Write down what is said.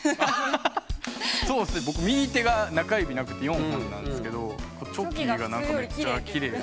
僕右手が中指なくて４本なんですけどチョキがめっちゃきれい。